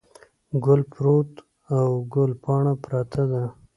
ګل پروت او ګل پاڼه پرته ده.